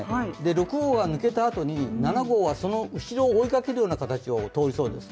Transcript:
６号が抜けたあとに７号はその後を追いかけるように通りそうです。